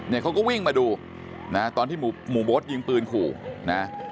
เนี่ยเขาก็วิ่งมาดูนะตอนที่หมู่มดยิงปืนขู่นะ